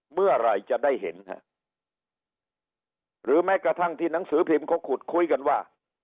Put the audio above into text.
เมื่อไหร่จะได้เห็นฮะหรือแม้กระทั่งที่หนังสือพิมพ์เขาขุดคุยกันว่า